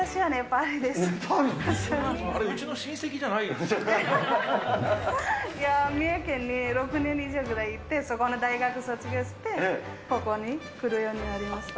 あれ、いやー、三重県に６年ぐらいいて、そこの大学卒業して、ここに来るようになりました。